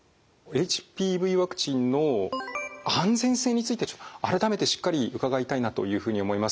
ＨＰＶワクチンの安全性について改めてしっかり伺いたいなというふうに思います。